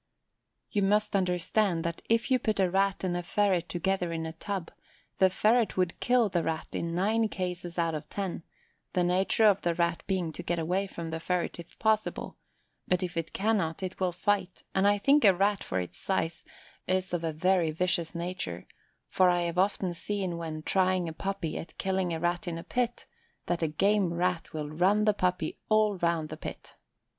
You must understand that if you put a Rat and a ferret together in a tub the ferret would kill the Rat in nine cases out of ten, the nature of the Rat being to get away from the ferret if possible; but if it cannot it will fight, and I think a Rat, for its size, is of a very vicious nature, for I have often seen when trying a puppy at killing a Rat in a pit, that a game Rat will run the puppy all round the pit.